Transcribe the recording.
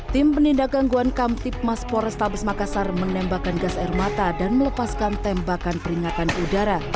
tim penindak gangguan kamtip mas porestabes makassar menembakkan gas air mata dan melepaskan tembakan peringatan udara